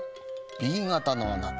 「Ｂがたのあなた。